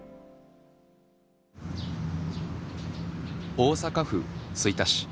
大阪府吹田市。